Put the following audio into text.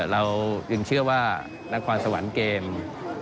เราจึงเชื่อว่านครสวรรค์เกม